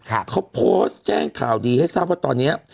เขาโพสต์แจ้งข่าวดีให้ทราบว่าตอนเนี้ย